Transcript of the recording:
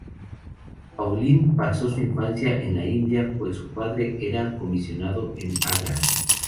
Pauline pasó su infancia en la India, pues su padre era comisionado en Agra.